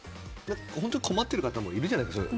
本当に困っている方もいるじゃないですか。